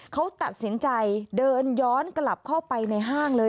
เขาตัดสินใจเดินย้อนกลับเข้าไปในห้างเลย